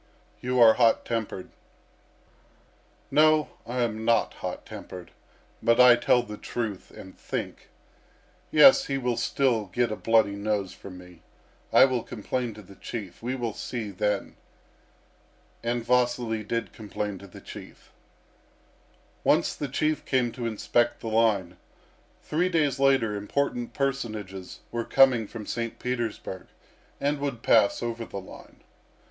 "You are hot tempered." "No, I am not hot tempered, but I tell the truth and think. Yes, he will still get a bloody nose from me. I will complain to the Chief. We will see then!" And Vasily did complain to the Chief. Once the Chief came to inspect the line. Three days later important personages were coming from St. Petersburg and would pass over the line.